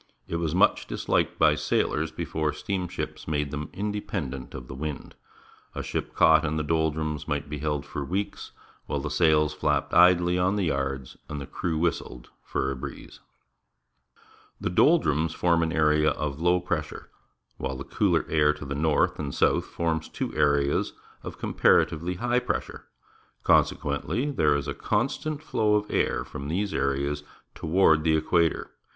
It was much dis liked by sailors before steamships made them independent of the wind. A ship caught in the doldrums might be held for weeks, while the sails flapped idly on the yards, and the crew whistled for a breeze. The doldrums form an area of low j)ressure, while the cooler air to the north and the south forms two areas of comparatively high pressure. Consequenth', there is a constant flow of air from these areas toward the equator.